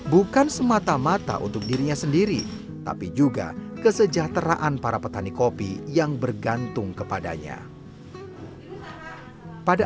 bukan semata mata untuk dirinya sendiri tapi juga kesejahteraan para petani kopi yang bergantung kepadanya